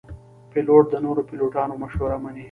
پیلوټ د نورو پیلوټانو مشوره مني.